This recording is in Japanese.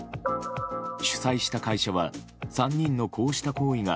主催した会社は３人のこうした行為が